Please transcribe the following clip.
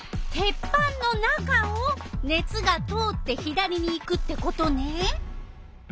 鉄板の中を熱が通って左に行くってことね。